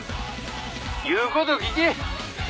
言うこと聞け。